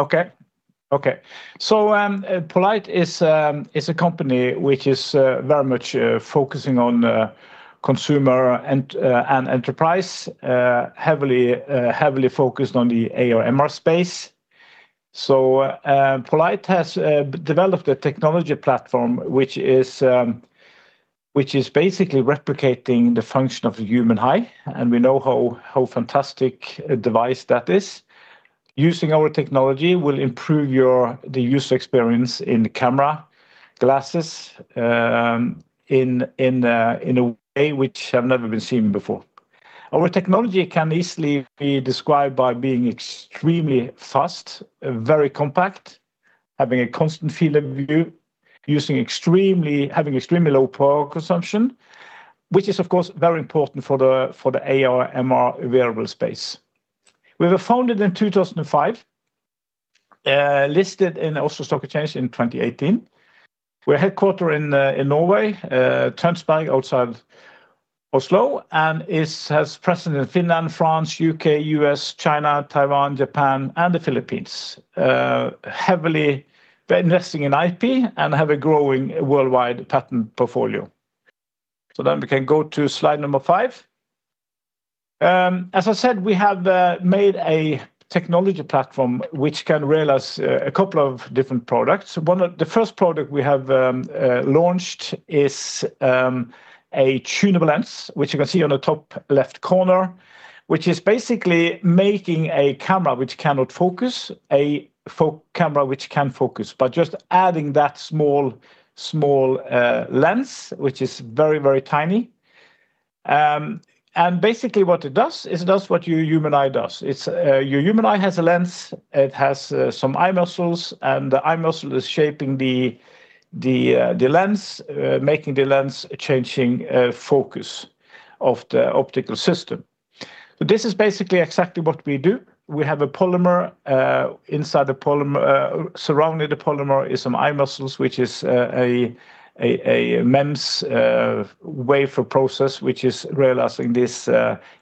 Okay. So, poLight is a company which is very much focusing on consumer and enterprise, heavily focused on the AR/MR space. So, poLight has developed a technology platform which is basically replicating the function of the human eye. And we know how fantastic a device that is. Using our technology will improve the user experience in camera glasses in a way which has never been seen before. Our technology can easily be described by being extremely fast, very compact, having a constant field of view, having extremely low power consumption, which is, of course, very important for the AR/MR space. We were founded in 2005, listed in the Oslo Stock Exchange in 2018. We're headquartered in Norway, Tønsberg outside Oslo, and has presence in Finland, France, U.K., U.S., China, Taiwan, Japan, and the Philippines. Heavily, we're investing in IP and have a growing worldwide patent portfolio. So then we can go to slide number five. As I said, we have made a technology platform which can realize a couple of different products. One of the first products we have launched is a tunable lens, which you can see on the top left corner, which is basically making a camera which cannot focus, a focus camera which can focus by just adding that small lens, which is very tiny. Basically what it does is it does what your human eye does. It's your human eye has a lens, it has some eye muscles, and the eye muscle is shaping the lens, making the lens changing focus of the optical system. So this is basically exactly what we do. We have a polymer inside, surrounding the polymer is some eye muscles, which is a MEMS wafer process which is realizing these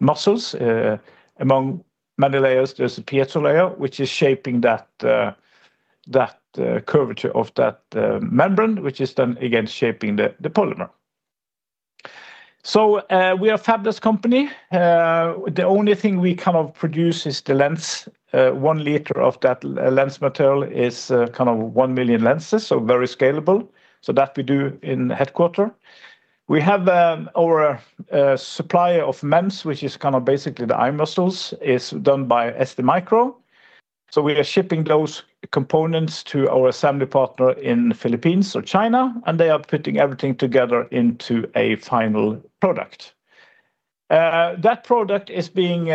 muscles. Among many layers, there's a piezo layer which is shaping that curvature of that membrane, which is then again shaping the polymer. So we are a fabless company. The only thing we kind of produce is the lens, one liter of that lens material is kind of one million lenses, so very scalable. So that we do in headquarters. We have our supplier of MEMS, which is kind of basically the eye muscles, is done by STMicroelectronics. So we are shipping those components to our assembly partner in the Philippines or China, and they are putting everything together into a final product. That product is being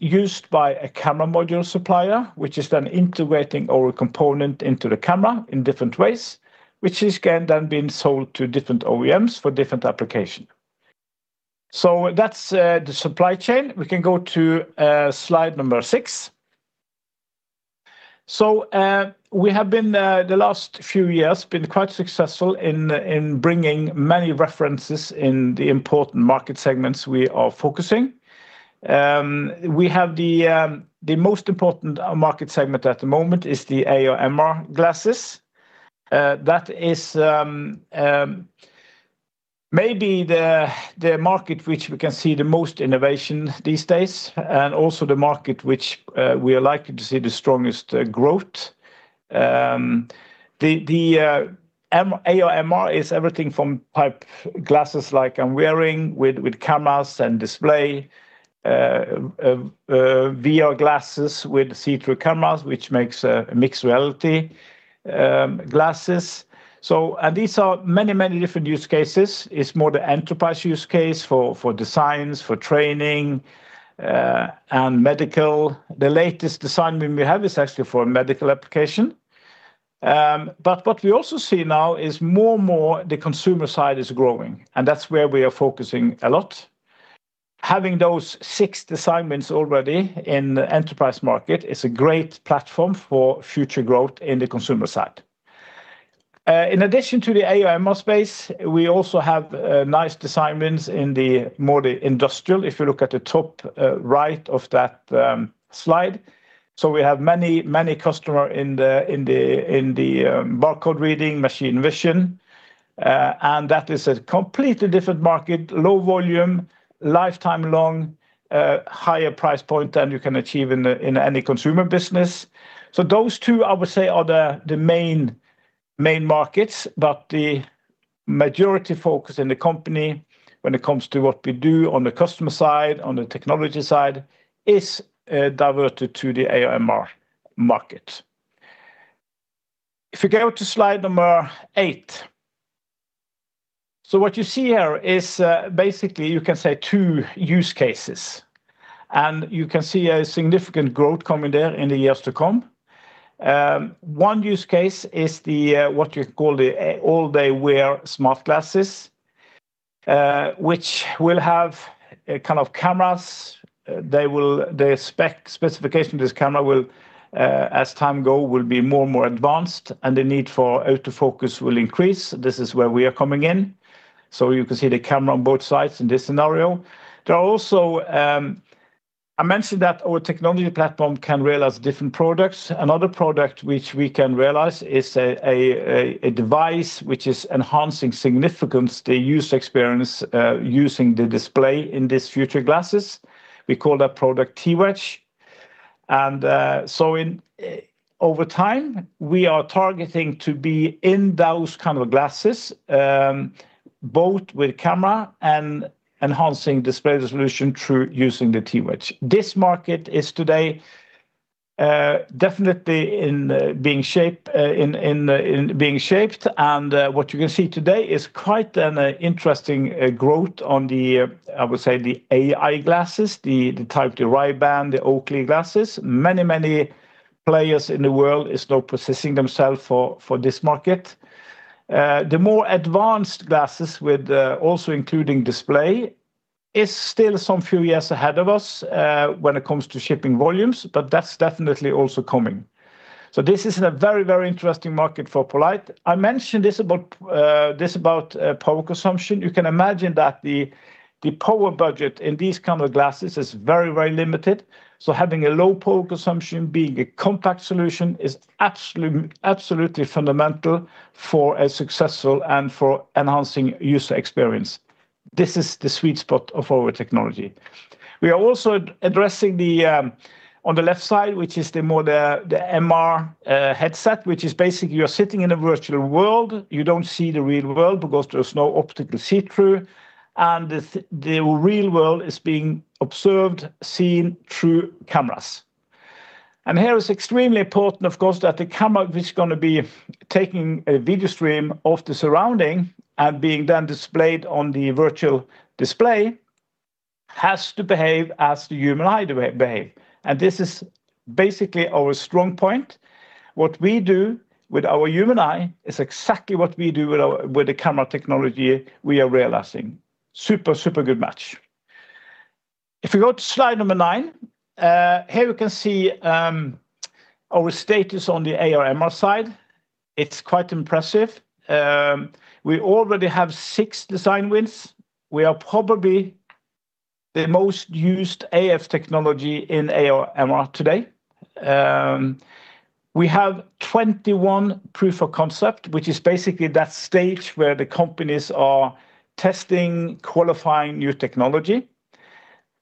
used by a camera module supplier, which is then integrating our component into the camera in different ways, which is again then being sold to different OEMs for different application. So that's the supply chain. We can go to slide number six. So we have been the last few years quite successful in bringing many references in the important market segments we are focusing. We have the most important market segment at the moment is the AR/MR glasses. That is maybe the market which we can see the most innovation these days, and also the market which we are likely to see the strongest growth. The AR/MR is everything from type glasses like I'm wearing with cameras and display, VR glasses with see-through cameras, which makes a mixed reality glasses. So, and these are many, many different use cases. It's more the enterprise use case for designs, for training, and medical. The latest design we have is actually for a medical application. But what we also see now is more and more the consumer side is growing, and that's where we are focusing a lot. Having those six assignments already in the enterprise market is a great platform for future growth in the consumer side. In addition to the AR/MR space, we also have nice assignments in the more the industrial, if you look at the top right of that slide. So we have many, many customers in the barcode reading, machine vision. And that is a completely different market, low volume, lifetime long, higher price point than you can achieve in the, in any consumer business. So those two, I would say, are the, the main, main markets, but the majority focus in the company when it comes to what we do on the customer side, on the technology side, is diverted to the AR/MR market. If you go to slide number eight, so what you see here is, basically you can say two use cases, and you can see a significant growth coming there in the years to come. One use case is the, what you call the all-day wear smart glasses, which will have a kind of cameras. They will, the specification of this camera will, as time goes, be more and more advanced, and the need for autofocus will increase. This is where we are coming in. You can see the camera on both sides in this scenario. There are also. I mentioned that our technology platform can realize different products. Another product which we can realize is a device which is enhancing significantly the user experience, using the display in these future glasses. We call that product TWedge. Over time, we are targeting to be in those kind of glasses, both with camera and enhancing display resolution through using the TWedge. This market is today definitely being shaped. What you can see today is quite an interesting growth on the. I would say, the AI glasses, the type of the Ray-Ban, the Oakley glasses. Many, many players in the world are still positioning themselves for this market. The more advanced glasses with, also including Display, is still some few years ahead of us when it comes to shipping volumes, but that's definitely also coming. So this is a very, very interesting market for poLight. I mentioned this about power consumption. You can imagine that the power budget in these kind of glasses is very, very limited. So having a low power consumption, being a compact solution is absolutely, absolutely fundamental for a successful and for enhancing user experience. This is the sweet spot of our technology. We are also addressing the, on the left side, which is more the MR headset, which is basically you're sitting in a virtual world. You don't see the real world because there's no optical see-through, and the real world is being observed, seen through cameras. Here it's extremely important, of course, that the camera which is gonna be taking a video stream of the surrounding and being then displayed on the virtual display has to behave as the human eye behaves. This is basically our strong point. What we do with our human eye is exactly what we do with the camera technology we are realizing. Super, super good match. If you go to slide number nine, here you can see our status on the AR/MR side. It's quite impressive. We already have six design wins. We are probably the most used AF technology in AR/MR today. We have 21 Proof Of Concept, which is basically that stage where the companies are testing, qualifying new technology.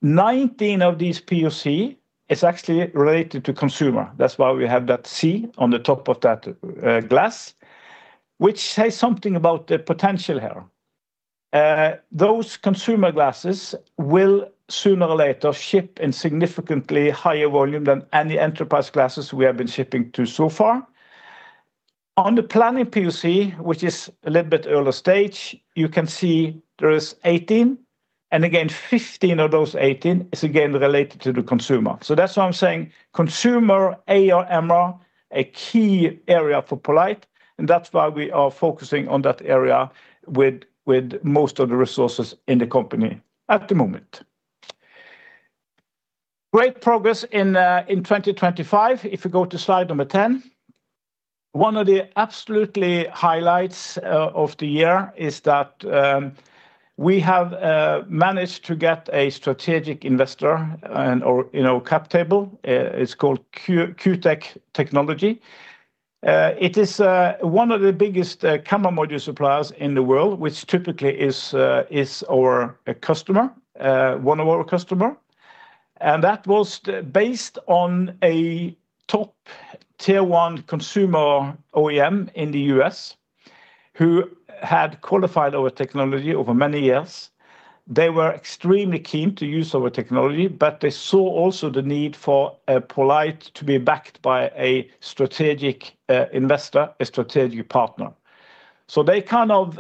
19 of these POC is actually related to consumer. That's why we have that C on the top of that glass, which says something about the potential here. Those consumer glasses will sooner or later ship in significantly higher volume than any enterprise glasses we have been shipping to so far. On the planning POC, which is a little bit early stage, you can see there is 18, and again, 15 of those 18 is again related to the consumer. So that's why I'm saying consumer AR/MR, a key area for poLight, and that's why we are focusing on that area with most of the resources in the company at the moment. Great progress in 2025. If you go to slide number 10, one of the absolute highlights of the year is that we have managed to get a strategic investor and, or, you know, cap table. It's called Q Technology. It is one of the biggest camera module suppliers in the world, which typically is our customer, one of our customers. And that was based on a top Tier 1 consumer OEM in the U.S. who had qualified our technology over many years. They were extremely keen to use our technology, but they saw also the need for a poLight to be backed by a strategic investor, a strategic partner. So they kind of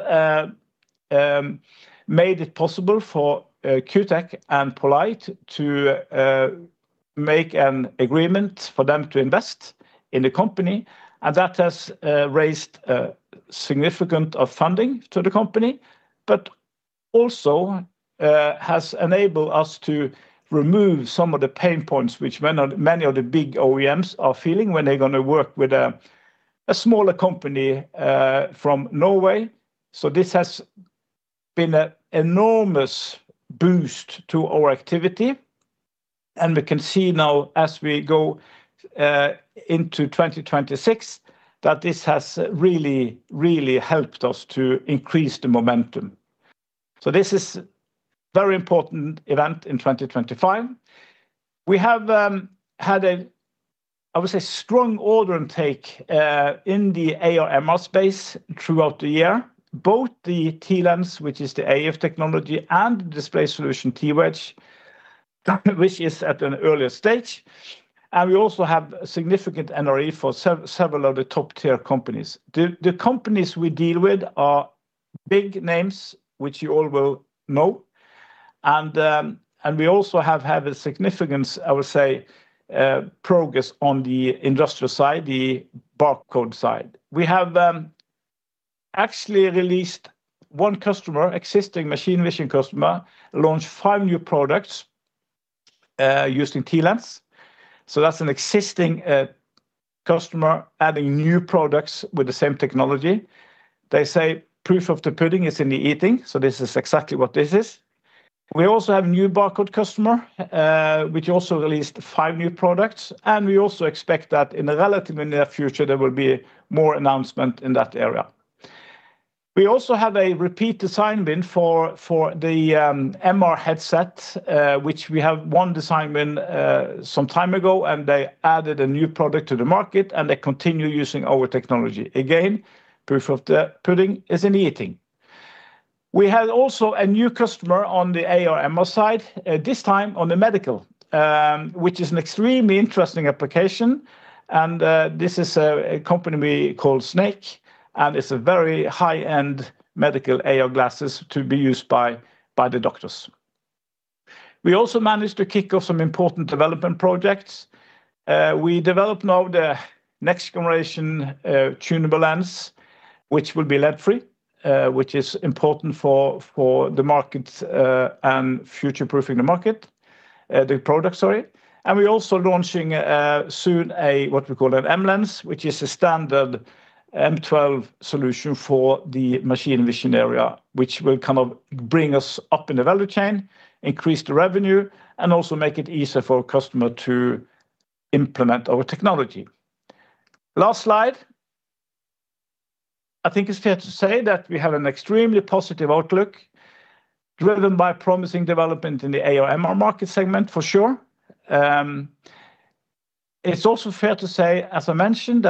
made it possible for Q Tech and poLight to make an agreement for them to invest in the company. And that has raised significant funding to the company, but also has enabled us to remove some of the pain points which many, many of the big OEMs are feeling when they're gonna work with a smaller company from Norway. So this has been an enormous boost to our activity. We can see now as we go into 2026 that this has really, really helped us to increase the momentum. This is a very important event in 2025. We have had a, I would say, strong order intake in the AR/MR space throughout the year, both the TLens, which is the AF technology, and the display solution TWedge, which is at an earlier stage. We also have significant NRE for several of the top tier companies. The companies we deal with are big names, which you all will know. We also have had a significant, I would say, progress on the industrial side, the barcode side. We have actually released one customer, existing machine vision customer, launched five new products using TLens. This is an existing customer adding new products with the same technology. They say proof of the pudding is in the eating. So this is exactly what this is. We also have a new barcode customer, which also released five new products. And we also expect that in a relatively near future, there will be more announcements in that area. We also have a repeat Design Win for the MR headset, which we have one Design Win some time ago, and they added a new product to the market, and they continue using our technology. Again, proof of the pudding is in the eating. We had also a new customer on the AR/MR side, this time on the medical, which is an extremely interesting application. And this is a company we call Snake, and it's a very high-end medical AR glasses to be used by the doctors. We also managed to kick off some important development projects. We developed now the next generation, tunable lens, which will be lead-free, which is important for the market, and future-proofing the market, the product, sorry. And we're also launching soon a what we call an MLens, which is a standard M12 solution for the machine vision area, which will kind of bring us up in the value chain, increase the revenue, and also make it easier for a customer to implement our technology. Last slide. I think it's fair to say that we have an extremely positive outlook driven by promising development in the AR/MR market segment for sure. It's also fair to say, as I mentioned,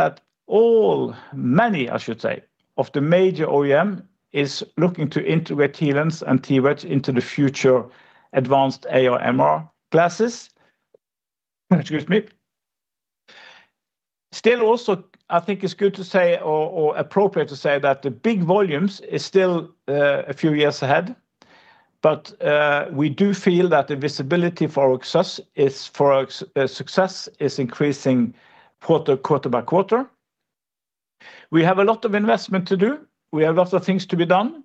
that all, many, I should say, of the major OEM is looking to integrate TLens and TWedge into the future advanced AR/MR glasses. Excuse me. Still also, I think it's good to say, or appropriate to say that the big volumes is still a few years ahead, but we do feel that the visibility for our success is increasing quarter by quarter. We have a lot of investment to do. We have lots of things to be done,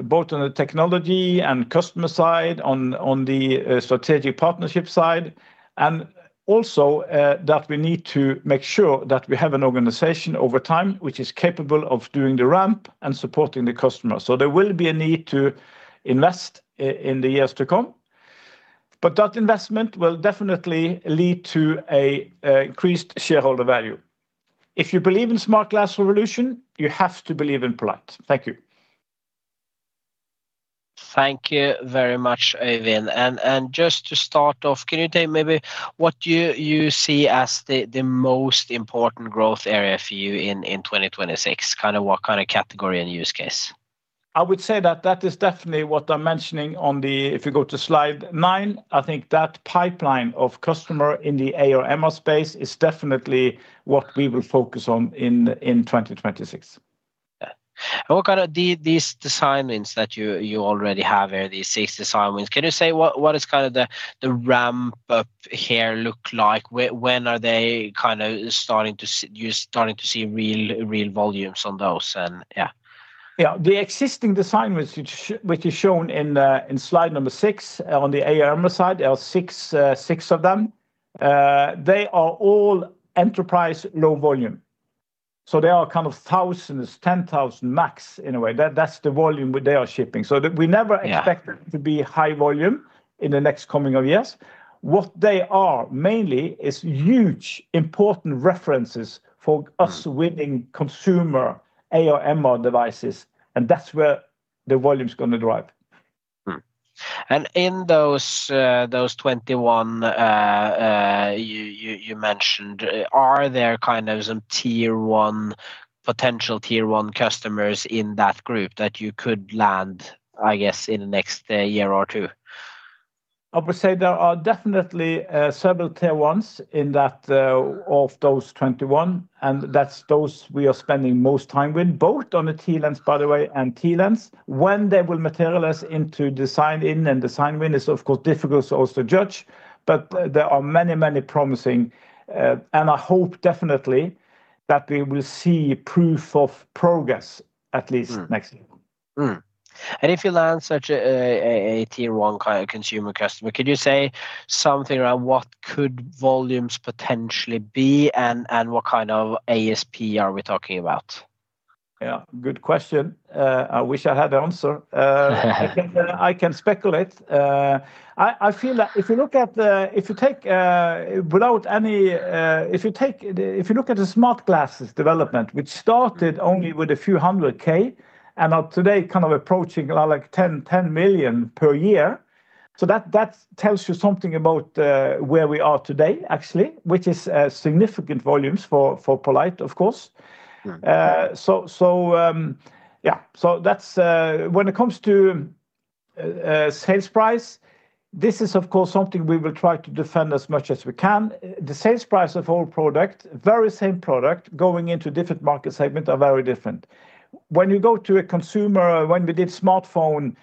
both on the technology and customer side, on the strategic partnership side, and also that we need to make sure that we have an organization over time which is capable of doing the ramp and supporting the customer. So there will be a need to invest in the years to come, but that investment will definitely lead to increased shareholder value. If you believe in smart glasses revolution, you have to believe in poLight. Thank you. Thank you very much, Øyvind. Just to start off, can you tell me maybe what you see as the most important growth area for you in 2026? Kind of what kind of category and use case? I would say that is definitely what I'm mentioning on the if you go to slide nine. I think that pipeline of customer in the AR/MR space is definitely what we will focus on in 2026. Yeah. What kind of these design wins that you already have here, these six design wins, can you say what is kind of the ramp up here look like? When are they kind of starting to you starting to see real volumes on those? Yeah. Yeah. The existing design wins, which is shown in slide number six on the AR/MR side, there are six of them. They are all enterprise low volume. So they are kind of thousands, 10,000 max in a way. That, that's the volume they are shipping. So that we never expected to be high volume in the next coming of years. What they are mainly is huge important references for us winning consumer AR/MR devices. And that's where the volume's gonna drive. And in those 21 you mentioned, are there kind of some Tier 1 potential Tier 1 customers in that group that you could land, I guess, in the next year or two? I would say there are definitely several Tier 1s in that, of those 21. And that's those we are spending most time with, both on the TLens, by the way, and TLens. When they will materialize into design in and design win is, of course, difficult also to judge, but there are many, many promising, and I hope definitely that we will see proof of progress at least next year. If you land such a Tier 1 kind of consumer customer, could you say something around what volumes potentially could be and what kind of ASP are we talking about? Yeah. Good question. I wish I had the answer. I can speculate. I feel that if you look at the smart glasses development, which started only with a few hundred K and are today kind of approaching like 10 million per year. That tells you something about where we are today, actually, which is significant volumes for poLight, of course. That's when it comes to sales price. This is, of course, something we will try to defend as much as we can. The sales price of our product, very same product going into different market segments are very different. When you go to a consumer, when we did smartphone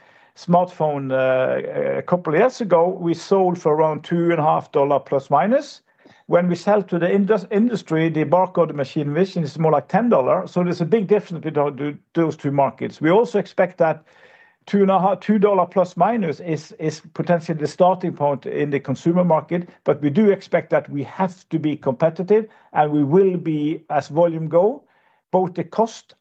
a couple of years ago, we sold for around $2.5 plus minus. When we sell to the industry, the barcode machine vision is more like $10. So there's a big difference between those two markets. We also expect that $2.5, $2 plus minus is potentially the starting point in the consumer market, but we do expect that we have to be competitive and we will be, as volume go, both the cost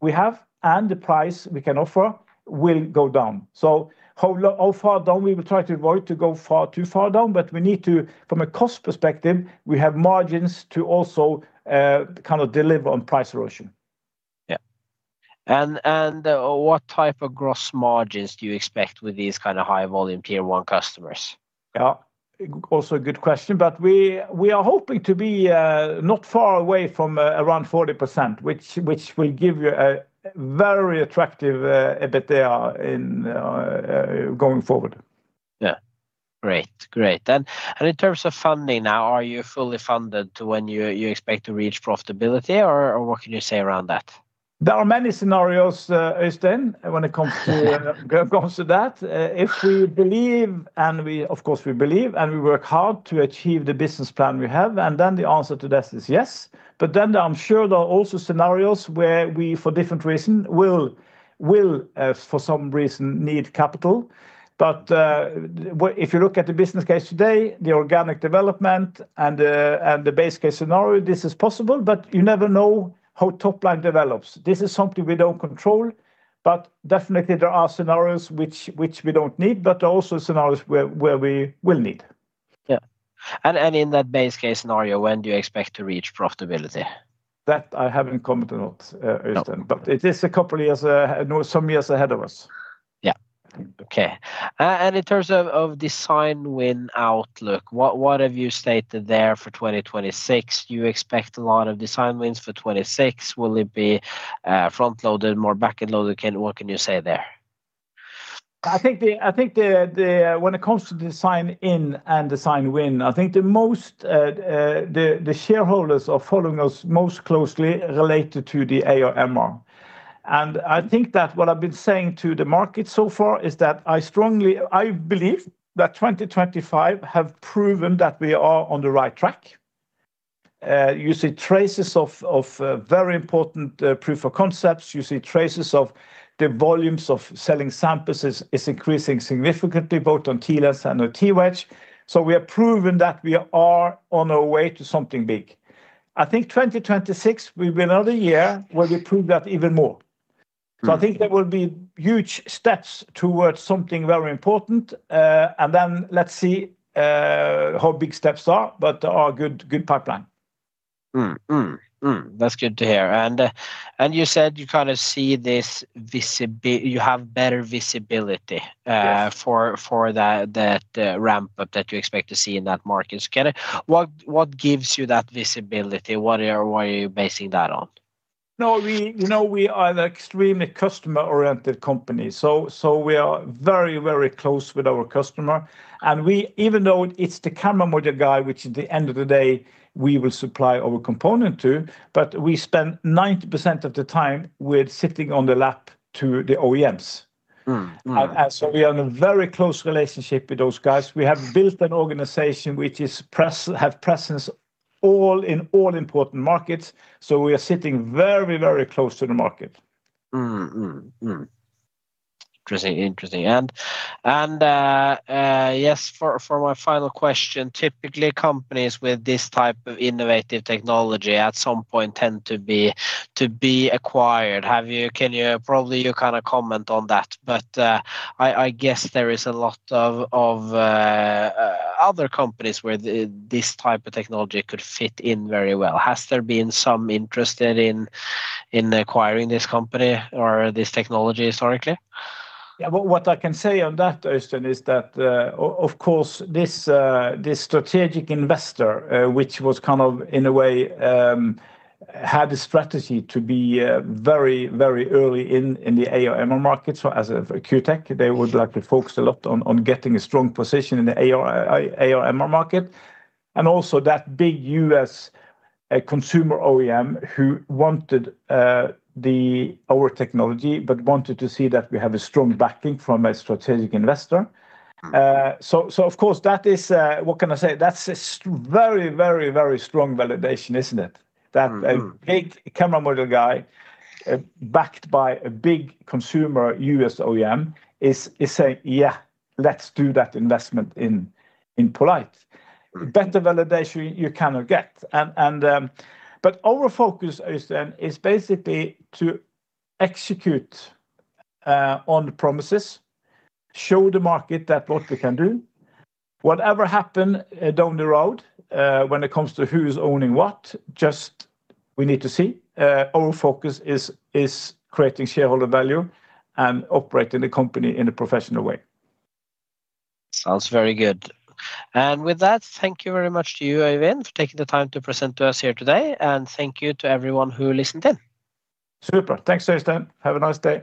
we have and the price we can offer will go down. So how low, how far down we will try to avoid to go far, too far down, but we need to, from a cost perspective, we have margins to also kind of deliver on price erosion. Yeah. And what type of gross margins do you expect with these kind of high volume tier one customers? Yeah. Also a good question, but we are hoping to be not far away from around 40%, which will give you a very attractive EBITDA going forward. Yeah. Great, great. And in terms of funding now, are you fully funded to when you expect to reach profitability or what can you say around that? There are many scenarios, Øystein, when it comes to that. If we believe, and we, of course, believe and we work hard to achieve the business plan we have, and then the question to this is yes. But then I'm sure there are also scenarios where we, for different reasons, will, for some reason, need capital. But if you look at the business case today, the organic development and the base case scenario, this is possible, but you never know how top line develops. This is something we don't control, but definitely there are scenarios which we don't need, but also scenarios where we will need. Yeah. In that base case scenario, when do you expect to reach profitability? That I haven't commented on, Øystein, but it is a couple of years, some years ahead of us. Yeah. Okay. In terms of design win outlook, what have you stated there for 2026? Do you expect a lot of design wins for 2026? Will it be front loaded, more back end loaded? What can you say there? I think when it comes to design-in and design win, the shareholders are following us most closely related to the AR/MR. I think that what I've been saying to the market so far is that I strongly believe that 2025 has proven that we are on the right track. You see traces of very important proof of concepts. You see traces of the volumes of selling samples is increasing significantly both on TLens and on TWedge. So we have proven that we are on our way to something big. I think 2026 will be another year where we prove that even more. So I think there will be huge steps towards something very important. And then let's see how big steps are, but there are good pipeline. That's good to hear. And you said you kind of see this visibility, you have better visibility for that ramp up that you expect to see in that market. So what gives you that visibility? What are you basing that on? No, you know, we are an extremely customer-oriented company. So we are very, very close with our customer. And we, even though it's the camera motor guy, which at the end of the day we will supply our component to, but we spend 90% of the time sitting in the laps of the OEMs. And so we are in a very close relationship with those guys. We have built an organization which has presence in all important markets. So we are sitting very close to the market. Interesting. Interesting. And yes, for my final question, typically companies with this type of innovative technology at some point tend to be acquired. Can you kind of comment on that? But I guess there is a lot of other companies where this type of technology could fit in very well. Has there been some interest in acquiring this company or this technology historically? Yeah. What I can say on that, Øystein, is that, of course, this strategic investor, which was kind of in a way, had a strategy to be very early in the AR/MR market. So as a Q Tech, they would likely focus a lot on getting a strong position in the AR/MR market. And also that big U.S. consumer OEM who wanted our technology, but wanted to see that we have a strong backing from a strategic investor. So of course that is, what can I say? That's a very strong validation, isn't it? That a big camera module guy, backed by a big consumer U.S. OEM is saying, yeah, let's do that investment in poLight. Better validation you cannot get. Our focus, Øystein, is basically to execute on the promises, show the market that what we can do, whatever happened down the road, when it comes to who's owning what. Just we need to see. Our focus is creating shareholder value and operating the company in a professional way. Sounds very good. With that, thank you very much to you, Øyvind, for taking the time to present to us here today. Thank you to everyone who listened in. Super. Thanks, Øystein. Have a nice day.